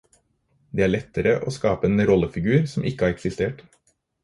Det er lettere å skape en rollefigur som ikke har eksistert.